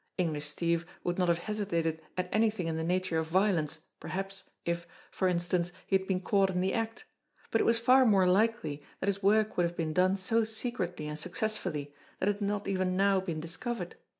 English Steve would not have hesitated at anything in the nature of violence perhaps, if, for instance, he had been caught in the act ; but it was far more likely that his work would have been done so secretly and successfully that it had not even now been discovered.